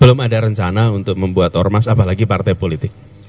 belum ada rencana untuk membuat ormas apalagi partai politik